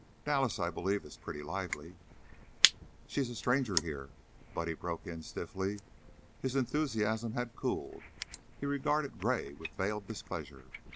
Dallas, I believe, is a pretty lively " "She's a stranger here," Buddy broke in, stiffly. His enthusiasm had cooled; he regarded Gray with veiled displeasure.